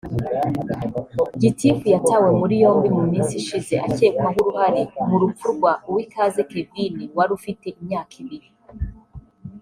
Gitifu yatawe muri yombi mu minsi ishize akekwaho uruhare mu rupfu rwa Uwikaze Kevine wari ufite imyaka ibiri